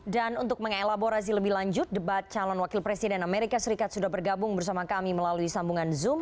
dan untuk mengelaborasi lebih lanjut debat calon wakil presiden amerika serikat sudah bergabung bersama kami melalui sambungan zoom